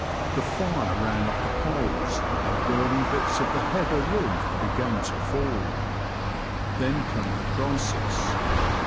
The fire ran up the poles, and burning bits of the heather roof began to fall. Then came the crisis.